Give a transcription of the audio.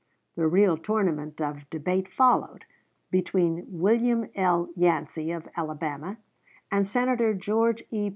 The real tournament of debate followed, between William L. Yancey, of Alabama, and Senator George E.